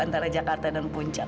antara jakarta dan puncak